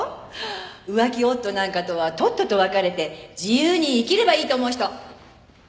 「浮気夫なんかとはとっとと別れて自由に生きればいいと思う人？」